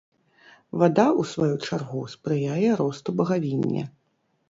Вада, у сваю чаргу, спрыяе росту багавіння.